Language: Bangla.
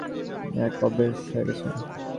তোমাদের বাড়িতে এসে অবধি ঐ এক অভ্যেস হয়ে গেছে।